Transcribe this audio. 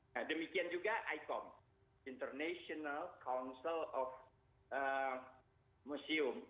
nah demikian juga icom international council of museum